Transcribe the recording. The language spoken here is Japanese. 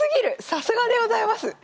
さすがでございます！